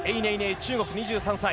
中国の２３歳。